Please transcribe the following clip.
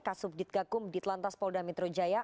kasub ditgakum ditlantas polda metro jaya